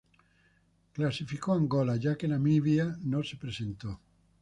Clasificó Angola ya que Namibia no se presentó.